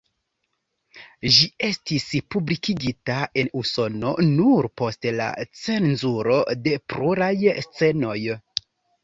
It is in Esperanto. Ĝi estis publikigita en Usono nur post la cenzuro de pluraj scenoj.